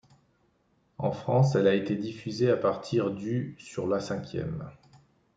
En France, elle a été diffusée à partir du sur La Cinquième.